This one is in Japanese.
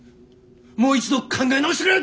もう一度考え直してくれ！